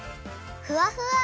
ふわふわ！